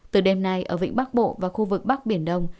từ đêm nay ở vịnh bắc bộ và khu vực bắc biển đông